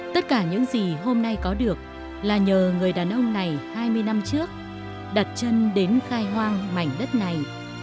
tất cả những gì hôm nay có được là nhờ người đàn ông này hai mươi năm trước đặt chân đến khai hoang mảnh đất này